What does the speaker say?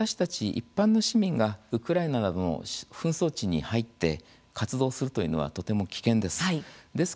一般の市民がウクライナなどの紛争地に入って活動するというのはとても危険です。